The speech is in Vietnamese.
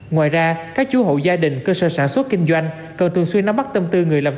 ngoài ra các chú hộ gia đình cơ sở sản xuất kinh doanh cần thường xuyên nắm bắt tâm tư người làm